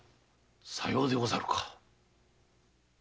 さようでござるか。